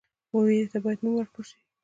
ویرې ته باید نوم ورکړل شي.